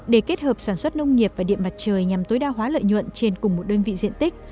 để kết hợp sản xuất nông nghiệp và điện mặt trời nhằm tối đa hóa lợi nhuận trên cùng một đơn vị diện tích